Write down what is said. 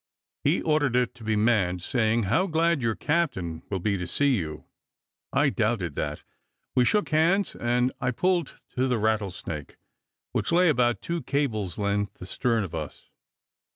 He ordered it to be manned, saying, "How glad your captain will be to see you!" I doubted that. We shook hands, and I pulled to the Rattlesnake, which lay about two cables' length astern of us.